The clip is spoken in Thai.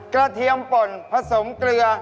เทียมป่นผสมเกลือ